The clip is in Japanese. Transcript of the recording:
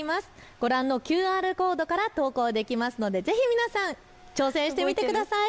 ご覧のＱＲコードから投稿できるのでぜひ皆さん、挑戦してみてください。